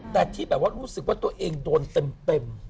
แต่ที่แบบว่ารู้สึกว่าตัวเองโดนเต็ม